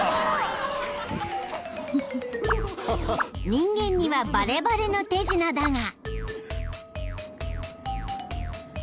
［人間にはバレバレの手品だが］